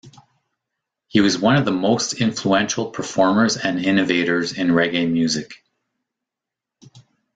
He was one of the most influential performers and innovators in reggae music.